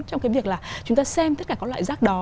trong cái việc là chúng ta xem tất cả các loại rác đó